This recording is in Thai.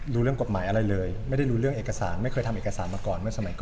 รู้เรื่องกฎหมายอะไรเลย